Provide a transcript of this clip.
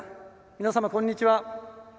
皆様、こんにちは。